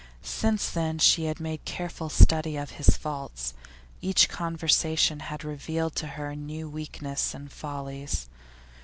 Since then she had made careful study of his faults. Each conversation had revealed to her new weakness and follies.